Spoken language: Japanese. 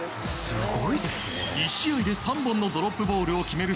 ２試合で３本のドロップゴールを決める